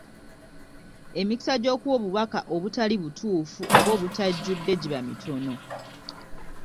Emikisa gy’okuwa obubaka obutali butuufu oba obutajjudde giba mitono.